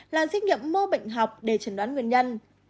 là dịch nghiệm mô bệnh học để chấn đoán nguyên nhân